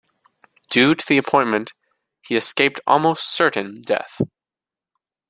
Due to the appointment, he escaped almost certain death.